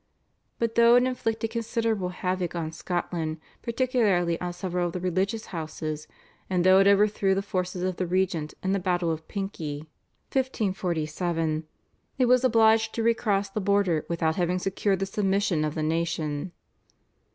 But though it inflicted considerable havoc on Scotland, particularly on several of the religious houses, and though it overthrew the forces of the regent in the battle of Pinkie (1547), it was obliged to re cross the borders without having secured the submission of the nation.